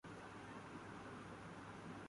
مدد کیا کرنی تھی۔